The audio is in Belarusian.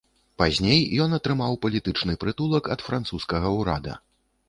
Пазней ён атрымаў палітычны прытулак ад французскага ўрада.